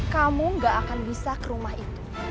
kamu gak akan bisa ke rumah itu